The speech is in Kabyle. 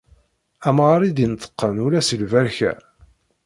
Amɣar i d-ineṭqen ula si lberka.